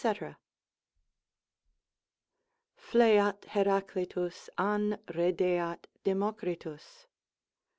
_ Fleat Heraclitus, an rideat Democritus?